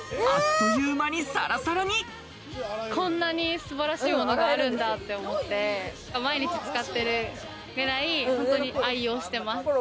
こんなに素晴らしいものがあるんだって思って、毎日使ってるぐらい本当に愛用してます。